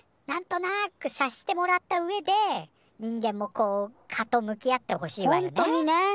なんとなく察してもらったうえで人間もこう「カ」と向き合ってほしいわよね。